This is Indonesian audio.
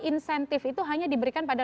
insentif itu hanya diberikan pada